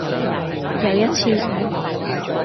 有一次